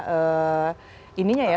aliran listrik ya